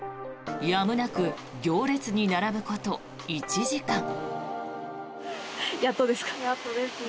やむなく行列に並ぶこと１時間。